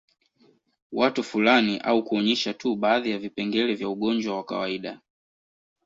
Watu fulani au kuonyesha tu baadhi ya vipengele vya ugonjwa wa kawaida